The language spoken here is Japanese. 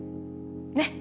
ねっ！